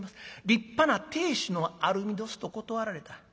立派な亭主のある身どす』と断られた。